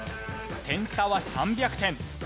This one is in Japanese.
点差は３００点。